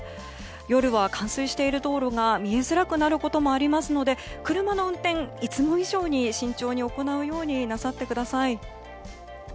夜は、冠水している道路が見えづらくなることもありますので車の運転、いつも以上に慎重に行うようになさってください。